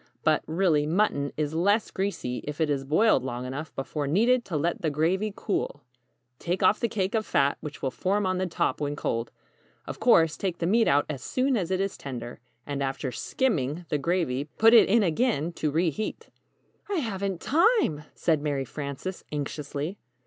But, really, mutton is less greasy if it is boiled long enough before needed to let the gravy cool. Take off the cake of fat which will form on the top when cold. Of course, take the meat out as soon as it is tender, and after 'skimming' the gravy, put it in again to re heat." "I haven't time!" said Mary Frances, anxiously.